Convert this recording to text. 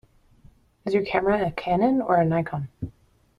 Is your camera a Canon or a Nikon?